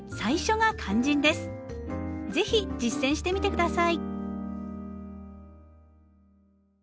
是非実践してみて下さい。